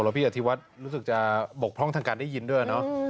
พี่อธิวัฒน์รู้สึกจะบกพร่องทางการได้ยินด้วยเนอะ